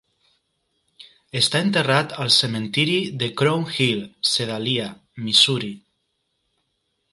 Està enterrat al cementiri de Crown Hill, Sedalia, Missouri.